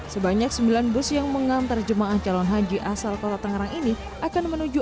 sebanyak sembilan bus yang mengantar jemaah calon haji asal kota tangerang ini akan menuju